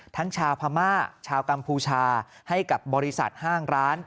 ชาวพม่าชาวกัมพูชาให้กับบริษัทห้างร้าน